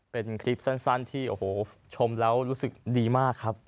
เป็นคลิปสั้นที่โอ้โหชมแล้วรู้สึกดีมากครับ